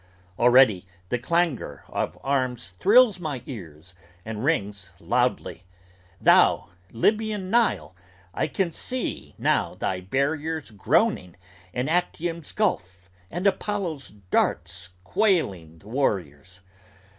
Already the clangor of arms thrills my ears, and rings loudly: Thou, Lybian Nile, I can see now thy barriers groaning And Actium's gulf and Apollo's darts quailing the warriors!